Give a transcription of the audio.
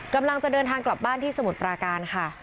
กำลังจะเดินทางกลับบ้านที่สมุทรปราการค่ะ